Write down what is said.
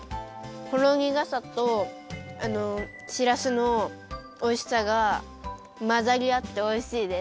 ほろにがさとあのしらすのおいしさがまざりあっておいしいです。